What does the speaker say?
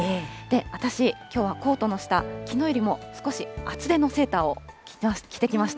私きょうはコートの下、きのうよりも少し厚手のセーターを着てきました。